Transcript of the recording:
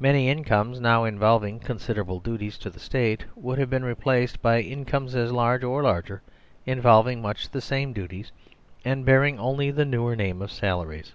Many incomes now involving considerable duties to the State would have been replaced by incomes as large or larger, involving much the same duties and bearing only the newer name of salaries.